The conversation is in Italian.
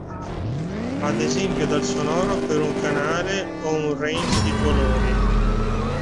Ad esempio dal sonoro per un canale o un range di colori.